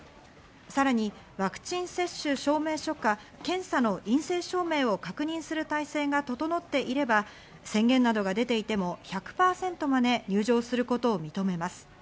さらにワクチン接種証明書か検査の陰性証明を確認する体制が整っていれば、宣言などが出ていても１００％まで入場することを認めます。